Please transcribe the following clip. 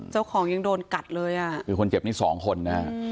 เจ้าของยังโดนกัดเลยอ่ะคือคนเจ็บนี้สองคนนะฮะ